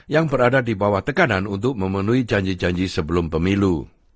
yang berada di bawah tekanan untuk memenuhi janji janji sebelum pemilu